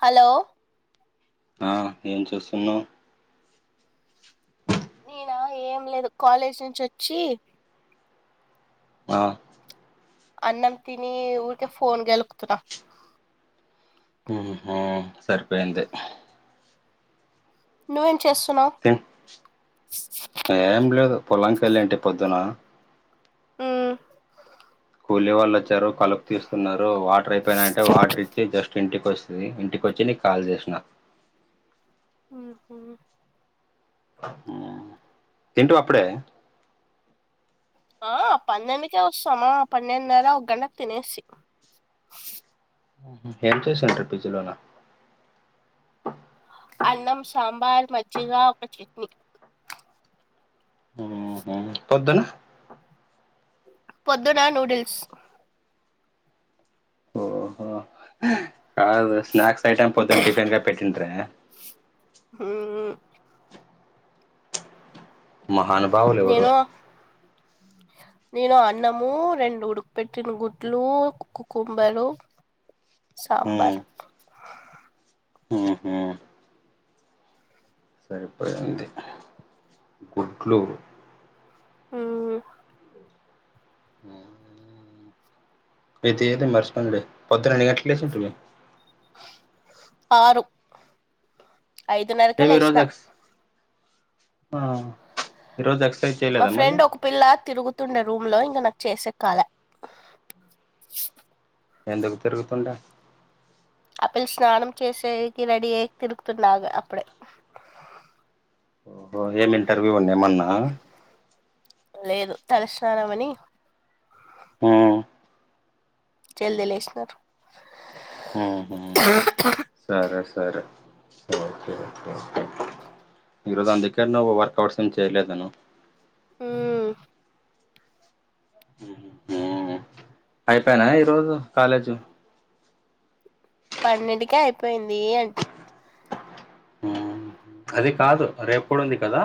Hello ఆ ఏం చేస్తున్నావ్ నేనా ఏం లేదు కాలేజ్ నుంచి వచ్చి ఆ అన్నం తిని ఊరికే ఫోన్ గెలుకుతున్నా ఊహూ సరిపోయింది నువ్వు ఎం తీ ఏం లేదు పొల్లం కెళ్ళింటి పొద్దున కూలీ వాళ్ళు వచ్చారు కలుపు తీస్తున్నారు వాటర్ అయిపోయిన అంటే వాటర్ ఇచ్చి జస్ట్ ఇంటికి వస్తుంది ఇంటికి వచ్చి నీకు కాల్ చేసిన ఉహుమ్ ఉమ్ తింటివి అప్పుడే ఆ పన్నెండుకే వస్తామా పన్నెండున్నర ఒక గంటకు తినేసి ఎమ్ సిస్ ఉన్నాయి ఫ్రిజ్ లోనా అన్నం సాంబార్ మజ్జిగ ఒక చట్నీ ఉహుమ్ పొద్దున పొద్దున నూడిల్స్ ఓహో కా స్నాక్స్ ఐటమ్ పొద్దున టిఫిన్గా పెట్టుంటారే ఆమ్ మహానుభావులు ఎవరో నేను నేను అన్నము రెండు ఉడుకుపెట్టిన గుడ్లు కుకుంబరు సాంబార్ ఉహుమ్ సరిపోయింది గుడ్లు ఆమ్ ఇది ఏదో మర్చిపోయిన్నాడే పొద్దు దాన్ని కట్లేస్ ఉంటున్నం ఆరు ఐదున్నరకె ఏమి ఈ రోజు లేశిన ఎక్స్ ఆ ఈరోజు దాస్క్స్ మా ఫ్రెండ్ ఒక పిల్ల తిరుగుతుండే రూమ్ లో ఇంక నా చేసే కాలే ఎందుకు తిరుగుతుండా ఆపిల్ స్నానం చేసేకి రెడీ అయి తిరుగుతున్నాగా అప్పుడే ఓహో ఏమి ఇంటర్వ్యూందా ఏమన్నా లేదు తలస్నానమని ఉ జల్ద లేష్నరు సరస్ సరే ఓకే ఈరోజు ఆన్ దగ్గర నువ్వు వర్కఅవుట్స్ ఏమి చేయలేదను ఉ అయిపోయానా ఈరోజు కాలేజు పన్నెంటికే అయిపోయింది అంటీ అది కాదు రేపుకూడుంది కదా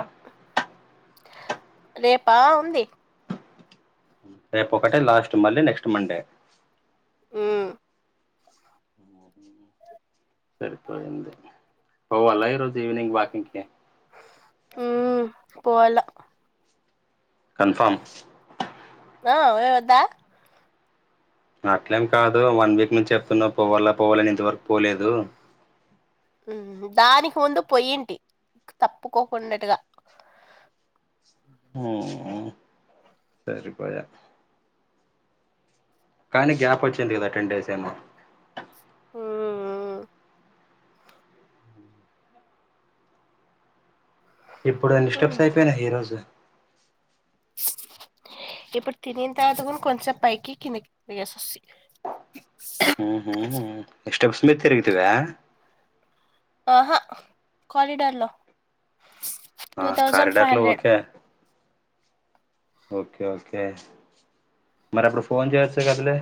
రేపా ఉంది రేపు ఒకటే లాస్ట్ మళ్ళీ నెక్స్ట్ మండే ఉ సరిపోయింది పోవాల ఈరోజు ఈవినింగ్ వాకింగ్కి పోవాలా కన్ఫార్మ్ దా అట్లేం కాదు వన్ వీక్ నుంచి చెప్తున్నావు పోవాల పోవాలని ఇంతవరకు పోలేదు దానికి ముందు పొయింటి తప్పుకోకుండాట్టుగా సరిపోయా కానీ గ్యాప్ వచ్చింది కదా టెన్ డేస్ ఏమో ఉ ఇప్పుడు ఎన్ని స్టెప్స్ మ్మ్ అయిపోయినయ్ ఈ రోజు ఇప్పుడు తినిని తర్వాత కూడ కొంచప్ పైకికిందికి పోయిసోస్సి హ హ స్టెప్స్ మీద్ తిరిగితివా ఆహా కారిడార్ లో టూ ఆ థౌజండ్ ఫైవ్ కారిడార్ లో హండ్రెడ్ ఓకే ఓకే ఓకే మరి అప్పుడు ఫోన్ చేయచ్చా కదిలే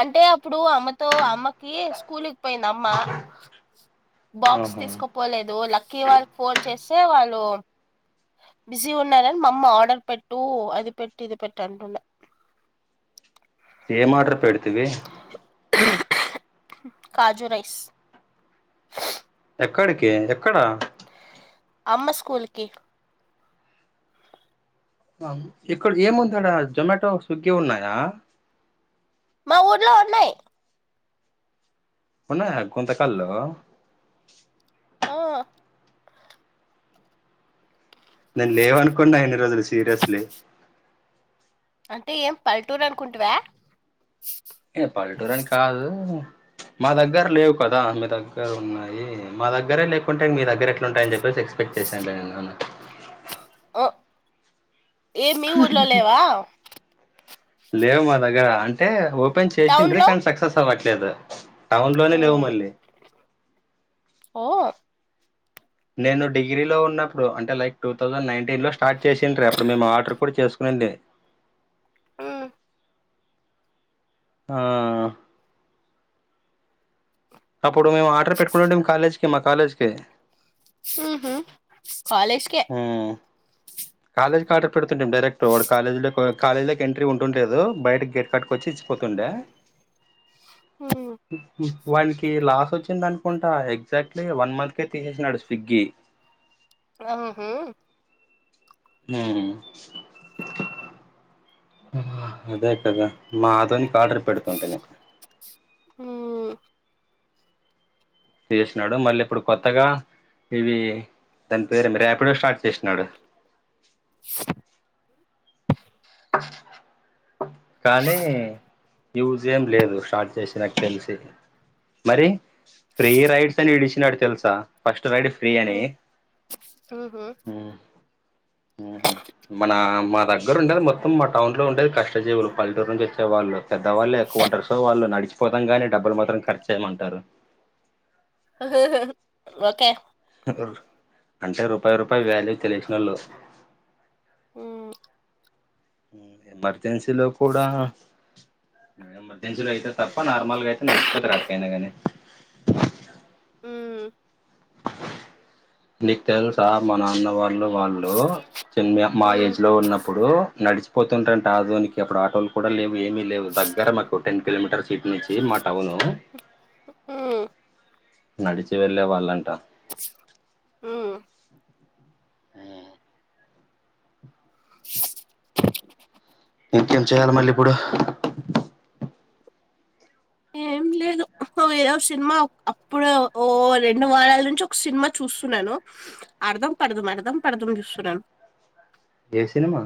అంటే అప్పుడు అమ్మతో అమ్మకి స్కూల్కి పోయింది అమ్మ బాక్స్ ఆహా తీసుకుపోలేదు లక్కీ వాళ్ళ ఫోన్ చేస్తే వాళ్ళు బిజీ ఉన్ననని మా అమ్మ ఆర్డర్ పెట్టు అది పెట్టు ఇది పెట్టు అంటున్న ఏ మాడర్ పెడుతువి కాజు రైస్ ఎక్కడికి ఎక్కడా అమ్మ స్కూల్కి ఇక్కడ ఏముందండి జొమాటో స్విగ్గీ ఉన్నాయా మా ఊర్లో ఉన్నాయి ఉన్నయ గుంత కల్లో ఆ నేను లేవనుకున్నా ఎన్ని రోజులు సీరియస్లీ అంటే ఏం పల్లెటూరు అనుకుంటివ ఏ పల్లెటూరని కాదు మా దగ్గర లేవు కదా మీ దగ్గర ఉన్నాయి మా దగ్గరే లేకుంటే మీ దగ్గర ఎట్లుంటాయని చెప్పేసి ఎక్స్పెక్ట్ [unintelligible] ఏ మీ ఊర్లో లేవ లేవు మా దగ్గర అంటే ఓపెన్ టౌన్ చేసిండ్రి లో కానీ సక్సెస్ అవ్వట్లేదు టౌన్ లోనే లేవు మ్మ్ మళ్ళీ ఓ నేను డిగ్రీ లో ఉన్నప్పుడు అంటే లైక్ టూ థౌజండ్ నైన్టీన్ లో స్టార్ట్ చేసిండ ర అప్పుడు మేము ఆర్డర్ కూడ చేసు [unintelligible] మ్మ్ ఆ అప్పుడు మేము ఆర్డర్ పెట్టుకుంటంటే కాలేజ్కి మా కాలేజ్కి ఉహు కాలేజ్కే ఉమ్, కాలేజ్కి ఆర్డర్ [unintelligible] కాలేజీలోకి ఎంట్రీ ఉంటుండలేదు బయటకి గేట్ కట్టుక వచ్చి ఇచ్చిపోతుండే మ్మ్ వాడికి లాస్ వచ్చింది అనుకుంటా ఎగ్జాక్ట్లీ వన్ మంత్కే తీసేసాడు స్విగ్గి ఆహా హు అదే కదా [unintelligible] [unintelligible] ఉంటంది మ్మ్ చేసినాడు మళ్ళీ ఇప్పుడు కొత్తగ ఇవి దాని పేరు ఏంపెరు ర్యపిడో స్టార్ట్ చేసినాడు అ కానీ యూజియం లేదు స్టార్ట్ చేసినకు తెలిసి మరి ఫ్రీ రైడ్స్ అని ఇడి [unintelligible] తెలుసా ఫస్ట్ రైడ్ ఫ్రీ అని మ్మ్ ఊహూ మన మా దగ్గర ఉండేది మొత్తం మా టౌన్ లో ఉండేది కష్టజీవులు [unintelligible] నుంచి వచ్చేళ్ళ పెద్దవల్లే ఎక్కువ ఉంటారు సోళ్ళు నడిచ పోతం గానీ డబ్బులు మాత్రం ఖర్చు చేయ్యమంటారు ఒకే అంటే రూపాయి రూపాయి వ్యాల్యూ తెలిసినోళ్ళు ఉ ఎమర్జెన్సీలో కూడ ఎమర్జెన్సీ అయితే తప్ప నార్మల్గా అయితే నడుచకోతారు అట్కనగానే హు నీకు తెలుసా మ నాన్న వాళ్ళు వాళ్ళు చిన్ మా మ్మ్ ఏజ్ లో ఉన్నప్పుడు నడిచిపోతుంటారంటే ఆధునికి అప్పుడు ఆటోలు కూడ లేవు ఏమీ లేవు దగ్గర మాకు టెన్ కిలోమీటర్స్ ఇటు నుంచి మా టౌను ఉ నడిచి వెళ్ళే వాళ్ళంట మ్మ్ ఆ ఇంకేం చేయాలి మళ్ళీ ఇప్పుడు ఏం లేదు వేరే సినిమా అప్పుడు ఓ రెండు వారాల నుంచి ఒక సినిమా చూస్తున్నాను అర్ధం పడుదుం అర్ధం పడుదుం చూస్తున్నాను ఏ సినిమా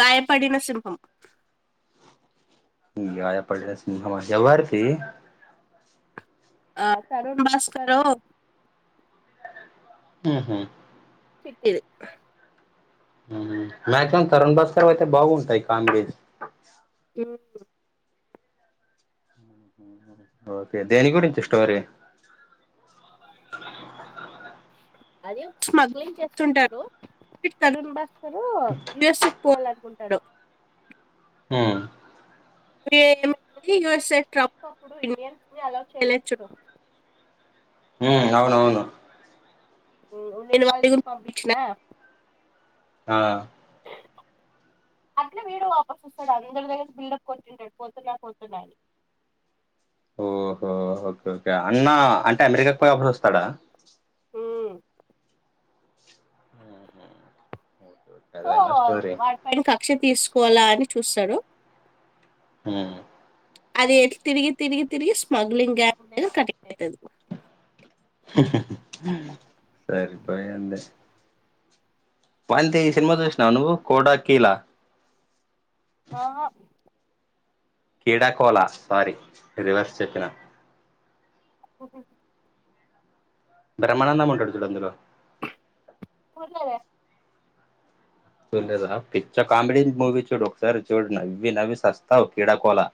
గాయపడిన సింహం గాయపడిన సింహమా ఎవరిది ఆ తరుణ్ భాస్కర్ ఆహా నిఖిల్ మ్యాక్సిమమ్ తరుణ్ భాస్కర్ వైతే బాగుంటాయి కాం ఉ ఓకే దేనికి గురించి స్టోరి అదే స్మగ్లింగ్ చేస్తుంటారు తరుణ్ భాస్కర్ యుఎస్ కి పోవాల కుంటాడు ఆ ఏమి యుఎస్ఎ ట్రంప్ అప్పుడు ఇండియన్స్ని అలో చేయలేదు చూడు హ అవునవును నేను వాళ్ళ గురు పంపించిన ఆ అట్లే వీడు వాపస్ వస్తాడు అందరి దగ్గర బిల్డప్ కొట్ంటాడు పోతున్నా పోతున్నా అని ఓహో ఓకే ఓకే అన్నా అంటే అమెరికాకి పోయి అప్పుడస్తాడా ఉమ్. సో అదేనా స్టోరీ వాడి పైన కక్ష తీసుకోవాలా అని చూస్తరు హ అది ఎట్ తిరిగి తిరిగి తిరిగి స్మగ్లింగ్ గ్యాప్ అ కంటిన్యూ అయితది ఆహా సరిపోయింది వల్తీ ఈ సినిమా చూసినవా నువు కోడా కీలా ఆహా క్రీడాకోళ సారీ రివర్స్ చెప్పిన ఓహ బ్రహ్మానందం ఉంటడు చూడు అందులో పర్లదే చూలేదా పిచ్చా కామెడీ మూవీ చూడు ఒకసారి చూడు నవ్వి నవ్వి సస్తావు క్రీడాకోలా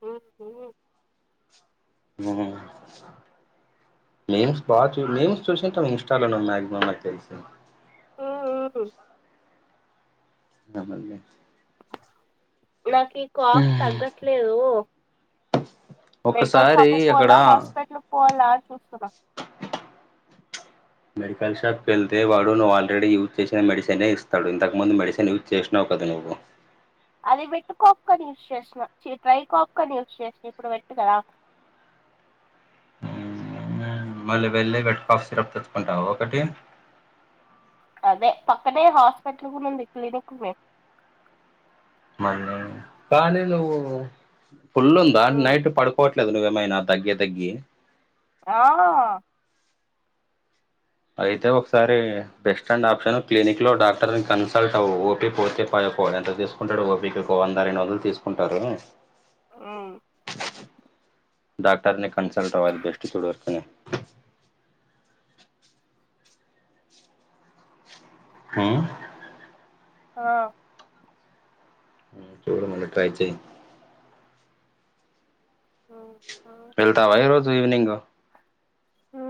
ఆ ఉ మిమ్స్ బాగా చూ మిమ్స్ చూసింటే ఇన్స్టాలో నువ్వు మాక్సిమం నాకు తెలిసి ఆ ఆ నెమ్మదిగా నాకు ఈ కాఫ్ తగ్గట్లేదు మెడికల్ ఒకసారి షాప్ కు అక్కడ పోవాలా హాస్పిటల్కి పోవాలా అని చూస్తున్న మెడిల్ షాప్కి వెళ్తే వాడు నువ్వు ఆల్రడీ యూజ్ చేసిన మెడిసేనే ఇస్తా ఇంతముందు మెడిసిన్ యూజ్ చేసినవు కదా ను ఓవో అది వెట్టుకోఫ్ కని యూస్ చేసినా చీ డ్రై కాఫ్గాని యూజ్ చేసా ఇప్పుడు పెట్టు కదా ఊ మళ్ళీ వెళ్ళి వెట్ కాఫ్ సిరప్ తెచ్చుకుంటావు ఒకటి అదే పక్కనే హాస్పిటల్ కూడా ఉంది క్లినిక్ మేము మనం కానీ నువ్వు ఫుల్ ఉందా నైట్ పడుకోవ లేదు నువ్వేమయిన తగ్గి తగ్గి ఆ అయితే ఒకసారి బెస్ట్ అండ్ ఆప్షన్ క్లినిక్ లో డాక్టర్ కన్సల్ట్ అవు ఓకె పోతే పయ ఎంత తీసుకుంటాడు ఓపికి వంద రండు రోజులు తీసుకుంటారు ఉం డాక్టర్ని కన్సల్ట్ అది బెస్ట్ చూడు వర్క్ ని ఆ ఆ ఊ చూడు ముందు ట్రై చెయ్ ఊ వెళ్తావా ఈ రోజు ఈవినింగ్ ఊ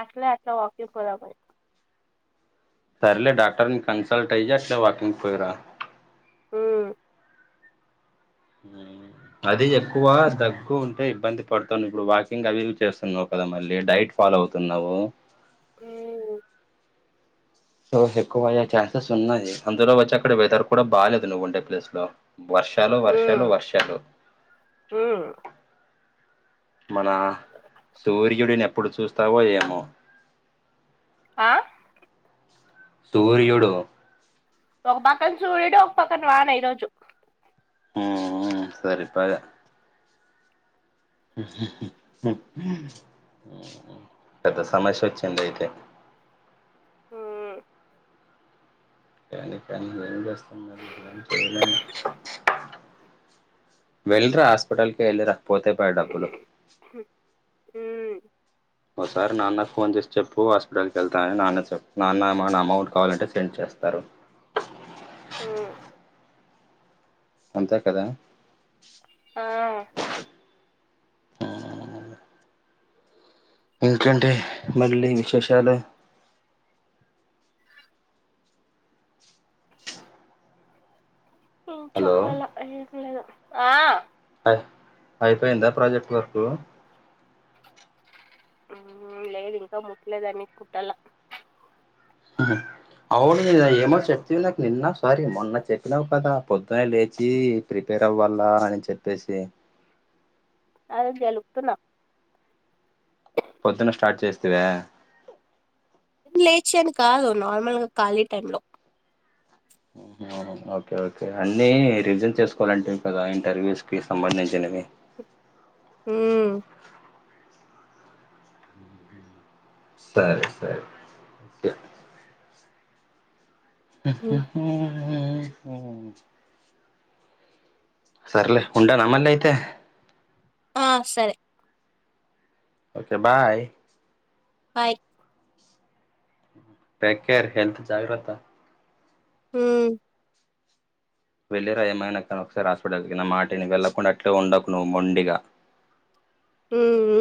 ఆట్లా ఆట్లా వాకింగ్ పోదామని సర్లే డాక్టర్ని కన్సల్ట్ అయి అట్ల వాకింగ్ పోయిరా అది ఎక్కువ తగ్గు ఉంటే ఇబ్బంది పడుతం ఇప్పుడు వాకింగ్ అవి ఇవి చేస్తున్నావ్ కదా మళ్ళీ డైట్ ఫాలో అవుతున్నావు ఊ సో ఎక్కువ అయ్యే ఛాన్సెస్ ఉన్నాయి అందులో వచ్చి అక్కడ వెదర్ కూడా బాలేదు నువ్వు ఉండే ప్లేస్ లో వర్షాలు వర్షాలు వర్షాలు హ్మ్ మన సూర్యుడిని ఎప్పుడు చూస్తావో ఏమో ఆ సూర్యుడు ఒక పక్కన సూర్యుడు ఒక పక్కన వాన ఈరోజు ఊ ఊ సరిపాయ ఊ పెద్ద సమస్య వచ్చింది అయితే ఊ కానీ కానీ ఏం చేస్తా ఇపుడు ఏం చేయలేం వెళ్ళిరా హాస్పిటల్ కి వెళ్ళిరా పోతే పయే డబ్బులు ఊ ఒకసారి నాన్న ఫోన్ చేసి చెప్పు హాస్పిటల్కి వెళ్తాని నాన్న చెప్ నాన్న ఏమాన్న అమౌంట్ కావాలంటే సెండ్ చేస్తాను తరు ఊ అంతే కదా ఆ ఆ ఏంటండీ మళ్ళీ విశేషాలు ఆ హలో చెప్పాలా ఏం లేదు అయిపోయిందా ప్రాజెక్ట్ వర్కు ఉమ్ లేదు ఇంకా ముట్లేదాన్ని కుట్టాల అవును నిన్న ఏమో చెప్తివి నాకు నిన్న సారీ మొన్న చెప్పినావు కదా పొద్దునే లేచి ప్రిపేర్ అవ్వాలా అని చెప్పేసి అదే గెలుకుతున్న వా లేచాని కాదు నార్మల్ గా ఖాళీ టైమ్ లో ఉహు అవునవును ఓకే ఓకే అన్నీ రివిజన్ చేసుకోవాలంటివి కదా ఇంటర్వ్యూస్ కి సంబంధించినవి హ్మ్ సరే సరే ఒకే సర్లే ఉండాన మళ్ళీ అయితే ఆ సరే okay bye bye take care health జాగ్రత్త హ్మ్మ్ వెళ్ళి రా ఏమైనా కానీ ఒకసారి హాస్పిటల్ కి నా మాటిని వెళ్కుండా అట్లే ఉండకు నువ్ మొండిగా హ్మ్మ్